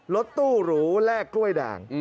รถตู้หรูแลกกล้วยด่าง